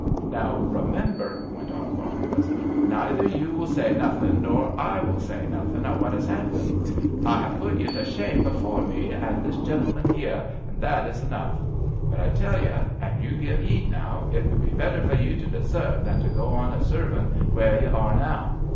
Now, remember,'' went on Barnabas, neither you will say nothing nor I will say nothing o' what has happened. I ha' put you to shame before me an' this gentleman here, an' that is enough. But I tell you, an' you give 'eed now, it would be better for you to desert than to go on a servin' where you are now.